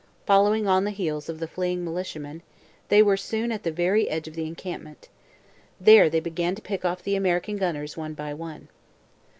Following on the heels of the fleeing militiamen, they were soon at the very edge of the encampment. There they began to pick off the American gunners one by one.